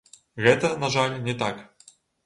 Гэта, на жаль, не так.